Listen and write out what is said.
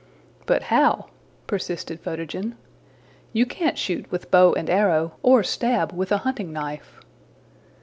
'' ``But how?'' persisted Photogen. ``You can't shoot with bow and arrow, or stab with a hunting knife.''